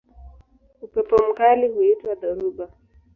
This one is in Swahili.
Upepo mkali huitwa dhoruba.